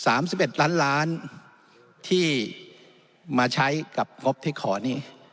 สามสิบเอ็ดล้านล้านที่มาใช้กับงบที่ขอนี่